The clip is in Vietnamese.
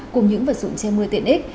cùng những vật dụng che mưa tiện ích